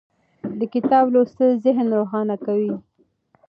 د کتاب لوستل ذهن روښانه کوي.